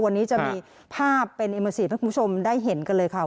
วันนี้จะมีภาพเป็นเอเมอร์ซีฟให้คุณผู้ชมได้เห็นกันเลยค่ะ